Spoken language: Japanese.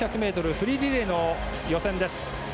フリーリレーの予選です。